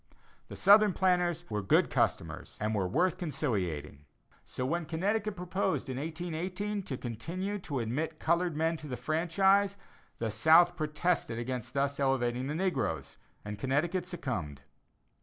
The Southern planters were good customers and were worth conciliating. So when Connecticut proposed in 1818 to continue to admit colored men to the franchise, the South protested against thus elevating the negroes, and Connecticut succumbed.